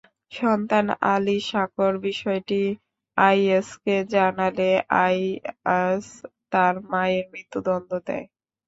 সন্তান আলি সাকর বিষয়টি আইএসকে জানালে আইআস তাঁর মায়ের মৃত্যুদণ্ড দেয়।